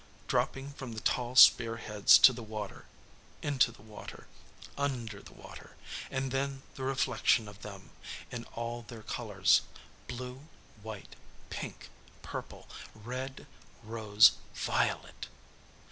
Dropping from the tall spear heads to the water, into the water, under the water. And then, the reflection of them, in all their colors, blue, white, pink, purple, red, rose, violet!